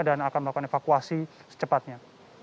dan akan melakukan evakuasi secepatnya